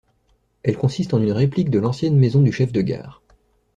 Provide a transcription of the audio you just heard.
Elle consiste en une réplique de l'ancienne maison du chef de gare.